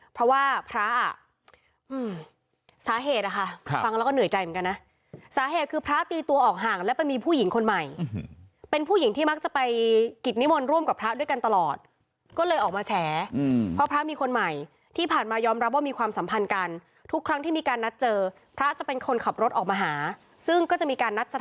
เพราะว่าพระอ่ะสาเหตุนะคะฟังแล้วก็เหนื่อยใจเหมือนกันนะสาเหตุคือพระตีตัวออกห่างแล้วไปมีผู้หญิงคนใหม่เป็นผู้หญิงที่มักจะไปกิจนิมนต์ร่วมกับพระด้วยกันตลอดก็เลยออกมาแฉเพราะพระมีคนใหม่ที่ผ่านมายอมรับว่ามีความสัมพันธ์กันทุกครั้งที่มีการนัดเจอพระจะเป็นคนขับรถออกมาหาซึ่งก็จะมีการนัดส